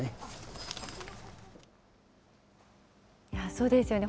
そうですよね。